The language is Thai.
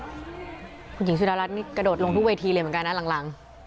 คุณหญิงสุดารัฐนี่กระโดดลงทุกเวทีเลยเหมือนกันนะหลัง